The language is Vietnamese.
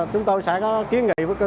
chúng tôi sẽ có kiến nghị với cơ quan